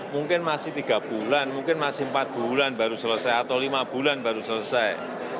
mungkin masih tiga bulan mungkin masih empat bulan baru selesai atau lima bulan baru selesai